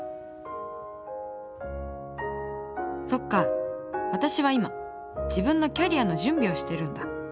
そっか私は今自分のキャリアの準備をしてるんだ。